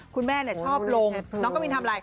คุณแม่ชอบลงน้องกะบินทำอะไร